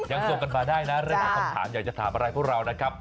ส่งกันมาได้นะเรื่องของคำถามอยากจะถามอะไรพวกเรานะครับ